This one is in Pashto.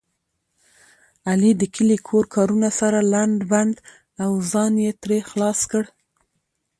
علي د کلي کور کارونه سره لنډ بنډ او ځان یې ترې خلاص کړ.